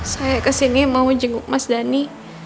saya kesini mau jenguk mas dhani